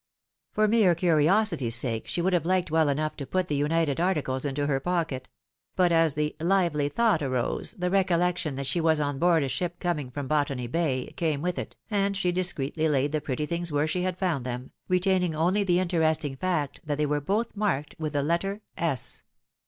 For mere curiosity's sake she would have hked well enough to put the united articles into her pocket ; but as the lively thought arose, the recollection that she was on board a ship coming from Botany Bay, came with it, and she discreetly laid the pretty things where she found them, retaining only the interesting fact that they were both marked with the letter " S."